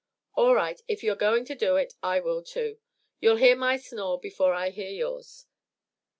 "All right, if you're going to do it, I will too. You'll hear my snore before I hear yours."